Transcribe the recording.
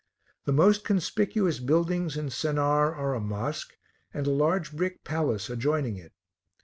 The most conspicuous buildings in Sennaar are a mosque, and a large brick palace adjoining it.